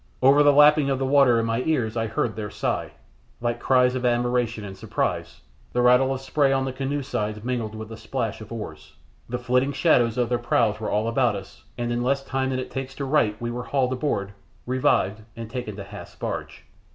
Over the lapping of the water in my ears I heard their sigh like cries of admiration and surprise, the rattle of spray on the canoe sides mingled with the splash of oars, the flitting shadows of their prows were all about us, and in less time than it takes to write we were hauled aboard, revived, and taken to Hath's barge.